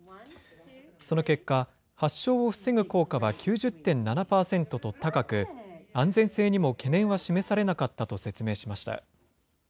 その結果、発症を防ぐ効果は９０．７％と高く、安全性にも懸念は示されなかったと説明しました。